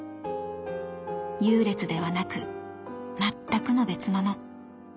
優劣ではなく全くの別物。